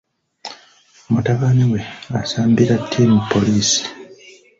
Mutabani we asambira ttimu poliisi.